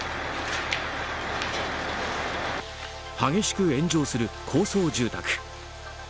激しく炎上する高層住宅。